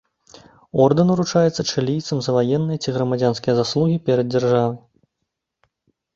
Ордэн уручаецца чылійцам за ваенныя ці грамадзянскія заслугі перад дзяржавай.